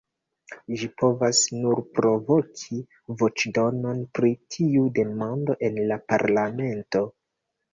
Ĝi povas nur provoki voĉdonon pri tiu demando en la parlamento.